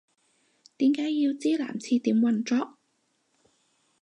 點解要知男廁點運作